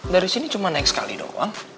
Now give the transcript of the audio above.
dari sini cuma naik sekali doang